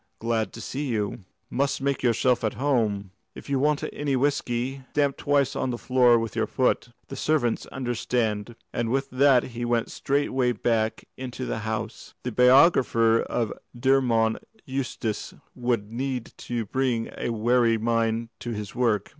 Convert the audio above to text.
"Glad to see you. Must make yourself at home. If you want any whiskey, stamp twice on the floor with your foot. The servants understand," and with that he went straightway back into the house. The biographer of Dermod Eustace would need to bring a wary mind to his work.